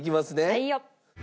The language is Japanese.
はいよ。